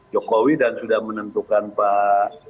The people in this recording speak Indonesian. jokowi dan sudah menentukan pak